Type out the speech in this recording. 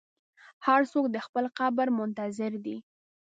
هر څوک د خپل قبر منتظر دی.